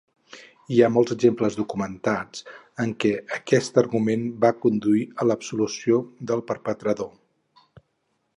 Hi ha molts exemples documentats en què aquest argument va conduir a l'absolució del perpetrador.